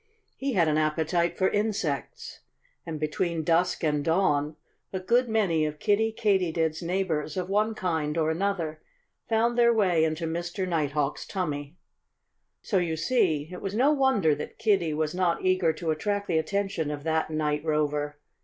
He had an appetite for insects. And between dusk and dawn a good many of Kiddie Katydid's neighbors of one kind or another found their way into Mr. Nighthawk's tummy. So you see it was no wonder that Kiddie was not eager to attract the attention of that night rover.